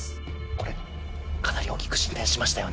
これかなり大きく進展しましたよね。